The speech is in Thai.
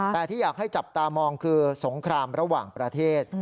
แต่ที่อยากให้จับตามองคือสงครามระหว่างประเทศ